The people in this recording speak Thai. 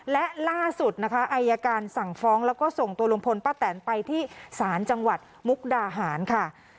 และล่าสุดนะคะอายการสั่งฟ้องแล้วก็ส่งตัวลุงพลป้าแตนไปที่ศาลจังหวัดมุกดาหารค่ะ